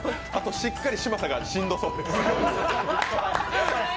しっかり嶋佐がしんどそう。